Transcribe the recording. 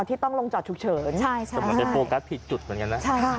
อ๋อที่ต้องลงจอดถูกเฉินใช่มันเป็นโปรกัสที่จุดเหมือนกันนะ